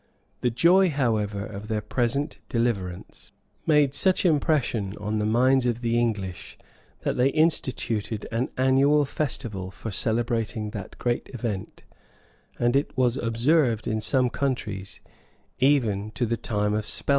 The joy, however, of their present deliverance made such impression on the minds of the English, that they instituted an annual festival for celebrating that great event; and it was observed in some counties, even to the time of Spelman.